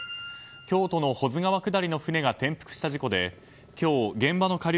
京都の保津川下りの船が転覆した事故で今日、現場の下流